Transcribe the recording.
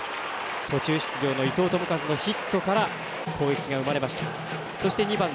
途中出場の伊藤智一のヒットから攻撃が生まれました。